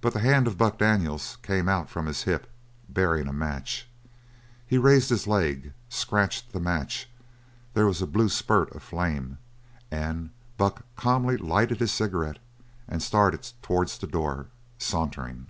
But the hand of Buck Daniels came out from his hip bearing a match. He raised his leg, scratched the match, there was a blue spurt of flame, and Buck calmly lighted his cigarette and started towards the door, sauntering.